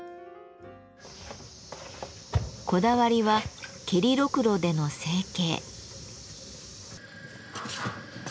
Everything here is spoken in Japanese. こだわりは蹴りろくろでの成形。